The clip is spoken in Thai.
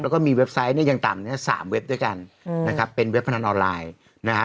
แล้วก็มีเว็บไซต์เนี่ยยังต่ำเนี้ยสามเว็บด้วยกันอืมนะครับเป็นเว็บพนันออนไลน์นะฮะ